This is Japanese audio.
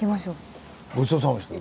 ごちそうさまでした。